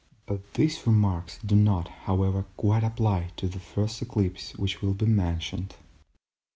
But these remarks do not, however, quite apply to the first eclipse which will be mentioned.